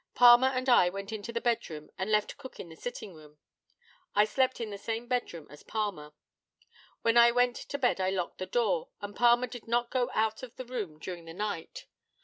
Palmer and I went into the bedroom and left Cook in the sitting room. I slept in the same bedroom as Palmer. When I went to bed I locked the door, and Palmer did not go out of the room during the night.